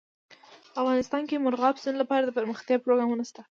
افغانستان کې د مورغاب سیند لپاره دپرمختیا پروګرامونه شته.